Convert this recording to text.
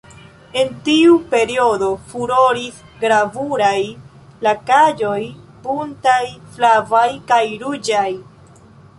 En tiu periodo furoris gravuraj lakaĵoj buntaj, flavaj kaj ruĝaj.